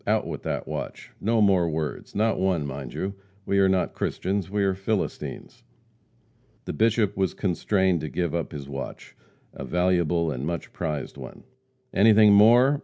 Out with that watch! No more words not one, mind you! We are not Christians, we are Philistines." The Bishop was constrained to give up his watch a valuable and much prized one. "Anything more?